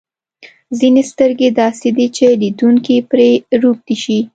ځینې سترګې داسې دي چې لیدونکی پرې روږدی شي.